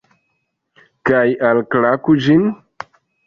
Kaj... alklaku ĝin?